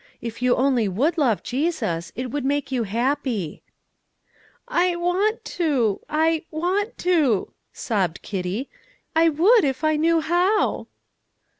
if you only would love Jesus, it would make you happy." "I want to I want to!" sobbed Kitty; "I would if I knew how."